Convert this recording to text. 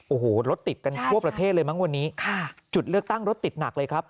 โอ้โหรถติดกันทั่วประเทศเลยมั้งวันนี้ค่ะจุดเลือกตั้งรถติดหนักเลยครับ